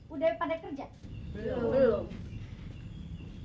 udah pada kerja